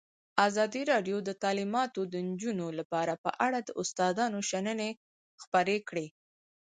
ازادي راډیو د تعلیمات د نجونو لپاره په اړه د استادانو شننې خپرې کړي.